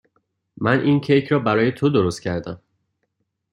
من این کیک را برای تو درست کردم.